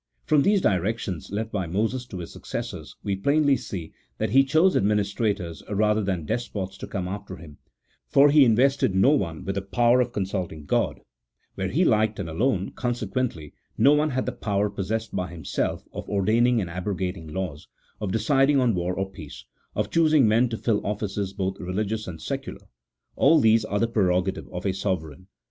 From these directions, left by Moses to his successors, we plainly see that he chose administrators, rather than despots, to come after him ; for he invested no one with the power of consulting God, where he liked and alone, conse quently, no one had the power possessed by himself of or daining and abrogating laws, of deciding on war or peace, of choosing men to fill offices both religious and secular : all these are the prerogatives of a sovereign.